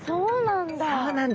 そうなんだ。